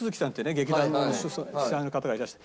劇団の主宰の方がいらして。